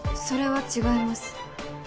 それは違います。